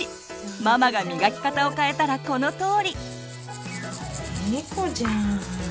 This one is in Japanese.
ママがみがき方を変えたらこのとおり。